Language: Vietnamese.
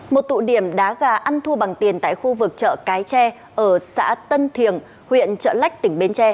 một tụ điểm đá gà ăn thua bằng tiền tại khu vực chợ cái tre ở xã tân thiềng huyện trợ lách tỉnh bến tre